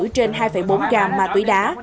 trên hai bốn gam ma túy đá